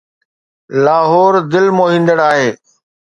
لاهور دل موهيندڙ آهي.